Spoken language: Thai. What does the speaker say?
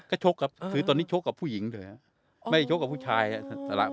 ก็ชกครับคือตอนนี้ชกกับผู้หญิงเลยครับไม่ชกกับผู้ชายครับ